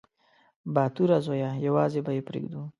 _باتوره زويه! يوازې به يې پرېږدو.